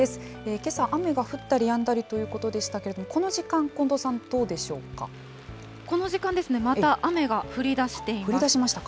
けさ、雨が降ったりやんだりということでしたけれども、この時間、この時間ですね、また雨が降降りだしましたか。